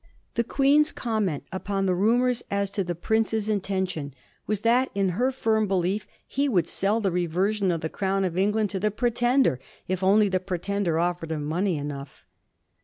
The Queen's comment upon the rumors as to the prince's intention was that in her firm belief he would sell the reversion of the Crown of England to the Pretender if only the Pretender offered him money enough.